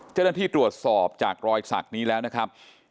เจ้าหน้าที่ตรวจสอบจากรอยสักนี้แล้วนะครับ